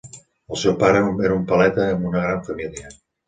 El seu pare era un paleta amb una gran família.